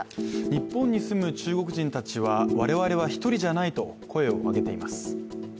日本に住む中国人たちは我々は一人じゃないと、声を上げています。